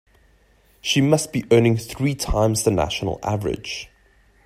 She must be earning three times the national average.